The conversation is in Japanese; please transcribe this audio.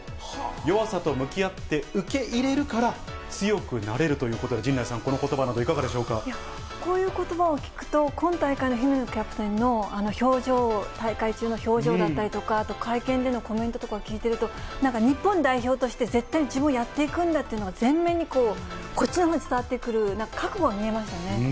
弱さと向き合って受け入れるから、強くなれるということで、陣内さん、こういうことばを聞くと、今大会の姫野キャプテンの表情、大会中の表情だったり、あと会見でのコメントとか聞いてると、なんか日本代表として絶対に自分はやっていくんだっていうのが前面に、こっちのほうにも伝わってくる、覚悟が見えましたね。